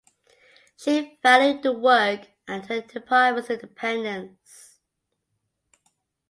She valued the work and her departments Independence.